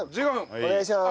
お願いしまーす。